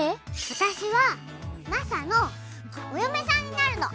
私はマサのお嫁さんになるの！